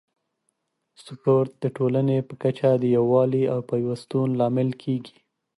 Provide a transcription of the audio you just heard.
سپورت د ټولنې په کچه د یووالي او پیوستون لامل کیږي.